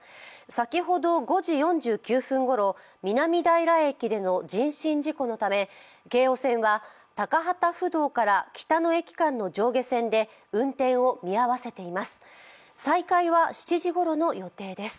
先ほど、５時４９分ごろ南平駅での人身事故のため京王線は高幡不動から北野駅間の上下線で運転を見合わせています。